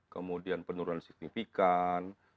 kemudian penurunan signifikan